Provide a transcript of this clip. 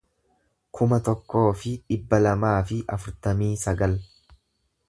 kuma tokkoo fi dhibba lamaa fi afurtamii sagal